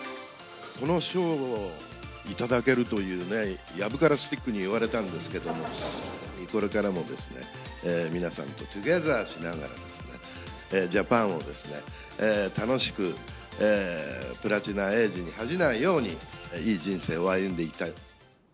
この賞を頂けるというね、やぶからスティックに言われたんですけど、これからもですね、皆さんとトゥギャザーしながらですね、ジャパンをですね、楽しく、プラチナエイジに恥じないように、いい人生を歩んでいきたいと。